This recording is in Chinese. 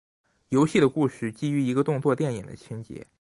游戏的故事基于一个动作电影的情节。